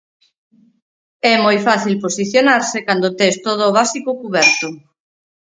É moi fácil posicionarse cando tes todo o básico cuberto.